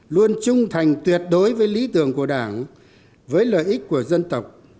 luôn trung thành tuyệt đối với lý tưởng của đảng với lợi ích của dân tộc